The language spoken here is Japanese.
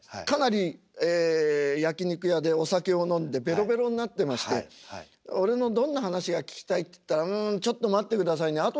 かなり焼き肉屋でお酒を飲んでべろべろになってまして「俺のどんな噺が聴きたい？」って言ったら「うんちょっと待ってくださいね。